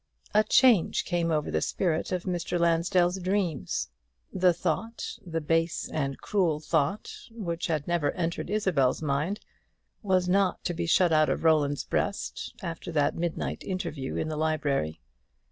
A change came over the spirit of Mr. Lansdell's dreams. The thought, the base and cruel thought, which had never entered Isabel's mind, was not to be shut out of Roland's breast after that midnight interview in the library.